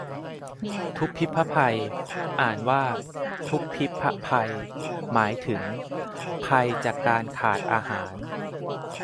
ทุพภิพภัย อ่านว่าทุบพิบพะไพ หมายถึงภัยจาการขาดอาหาร